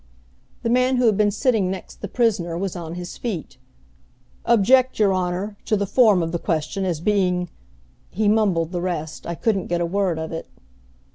The man who had been sitting next the prisoner was on his feet. "Object, your Honor, to the form of the question, as being " He mumbled the rest, I couldn't get a word of it.